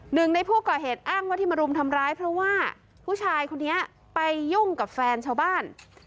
หนึ่งในผู้ก่อเหตุอ้างว่าที่มารุมทำร้ายเพราะว่าผู้ชายคนนี้ไปยุ่งกับแฟนชาวบ้าน